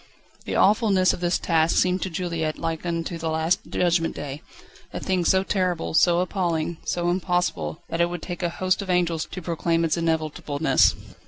The awfulness of this task seemed to Juliette like unto the last Judgment Day; a thing so terrible, so appalling, so impossible, that it would take a host of angels to proclaim its inevitableness.